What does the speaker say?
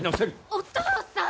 お父さん！